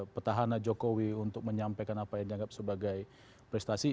petahana jokowi untuk menyampaikan apa yang dianggap sebagai prestasi